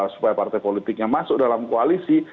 supaya partai politiknya masuk dalam koalisi